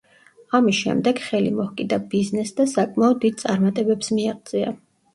ამის შემდეგ ხელი მოჰკიდა ბიზნესს და საკმაოდ დიდ წარმატებებს მიაღწია.